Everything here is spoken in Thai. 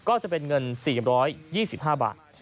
ก็จะเป็นเงิน๔๒๕บาท